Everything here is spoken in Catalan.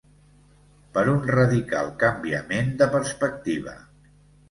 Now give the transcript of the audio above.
Per un radical canviament de perspectiva.